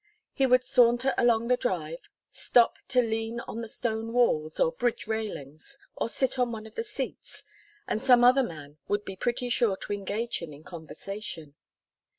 He would saunter along the Drive, stop to lean on the stone walls or bridge railings, or sit on one of the seats, and some other man would be pretty sure to engage him in conversation.